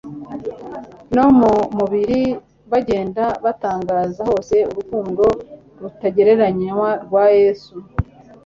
no mu mubiri bagenda batangaza hose urukundo rutagereranywa rwa Yesu.